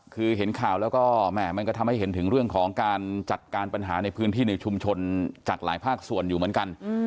คือเห็นข่าวแล้วก็แหม่มันก็ทำให้เห็นถึงเรื่องของการจัดการปัญหาในพื้นที่ในชุมชนจากหลายภาคส่วนอยู่เหมือนกัน